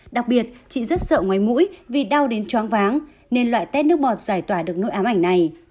đặc biệt chị rất sợ ngoài mũi vì đau đến choáng váng nên loại tét nước bọt giải tỏa được nội ám ảnh này